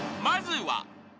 まずは］